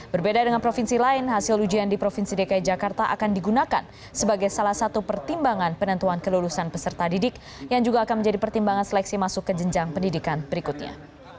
berbeda dengan provinsi lain hasil ujian di provinsi dki jakarta akan digunakan sebagai salah satu pertimbangan penentuan kelulusan peserta didik yang juga akan menjadi pertimbangan seleksi masuk ke jenjang pendidikan berikutnya